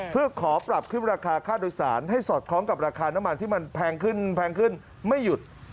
เพื่อขอปรับขึ้นราคาค่าโดยสารให้สอดคล้องกับราคาน้ำมันที่มันแพงขึ้นแพงขึ้นไม่หยุด